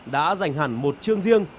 đã giành hẳn một chương riêng